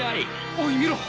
おい見ろ！